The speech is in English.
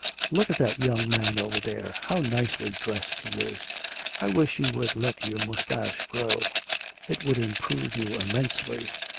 Look at that young man over there; how nicely dressed he is! I wish you would let your moustache grow; it would improve you immensely.'